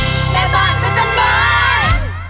โอ๊ยจบแล้วค่ะโอ๊ยจบแล้วค่ะโอ๊ย